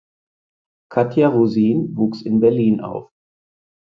Katja Rosin wuchs in Berlin auf.